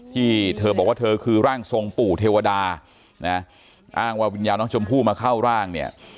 ที่เธอบอกว่าเธอคือร่างทรงปู่เทวดานะอ้างว่าวิญญาณน้องชมพู่มาเข้าร่างเนี่ย